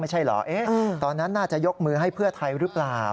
ไม่ใช่เหรอตอนนั้นน่าจะยกมือให้เพื่อไทยหรือเปล่า